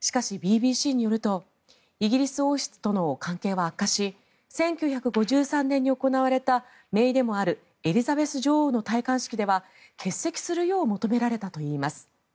しかし、ＢＢＣによるとイギリス王室との関係は悪化し１９５３年に行われためいでもあるエリザベス女王の戴冠式では欠席するよう求められたといいます。